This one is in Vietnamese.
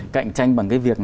cạnh tranh bằng cái việc